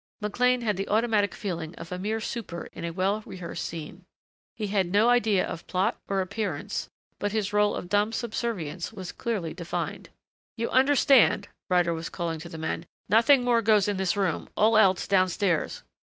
McLean had the automatic feeling of a mere super in a well rehearsed scene. He had no idea of plot or appearance but his rôle of dumb subservience was clearly defined. "You understand," Ryder was calling to the men, "nothing more goes in this room. All else down stairs....